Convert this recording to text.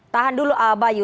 tahan dulu bayu